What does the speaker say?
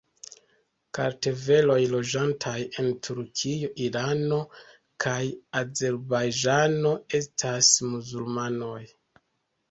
Kartveloj loĝantaj en Turkio, Irano kaj Azerbajĝano estas muzulmanoj.